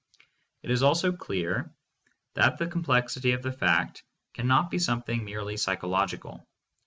It is also clear that the complexity of the fact can not be something merely psychological.